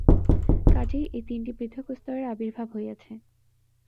কাজেই এই তিনটি পৃথক স্তরের আবির্ভাব হইয়াছে।